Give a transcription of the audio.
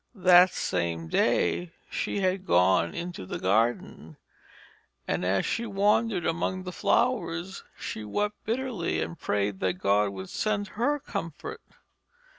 That same day she had gone into the garden, and, as she wandered among the flowers, she wept bitterly and prayed that God would send her comfort.